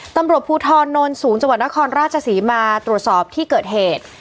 ตำรวจภูทรโนนสูงจังหวัดนครราชศรีมาตรวจสอบที่เกิดเหตุ